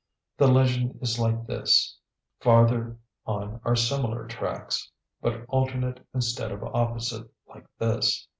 The legend is like this, :::::. Farther on are similar tracks, but alternate instead of opposite, like this